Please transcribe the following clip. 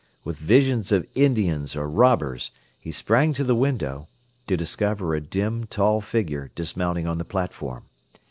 With visions of Indians or robbers he sprang to the window, to discover a dim, tall figure dismounting on the platform.